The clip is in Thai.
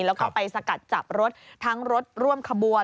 แล้วก็ไปสกัดจับรถทั้งรถร่วมขบวน